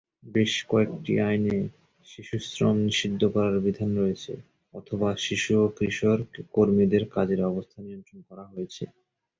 বেশ কয়েকটি আইনে শিশুশ্রম নিষিদ্ধ করার বিধান রয়েছে, অথবা শিশু এবং কিশোর কর্মীদের কাজের অবস্থা নিয়ন্ত্রণ করা হয়েছে।